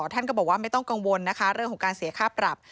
ท่านก็บอกว่าไม่ต้องกังวลนะคะเรื่องของการเสียค่าปรับ